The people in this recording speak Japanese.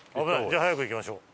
じゃあ早く行きましょう！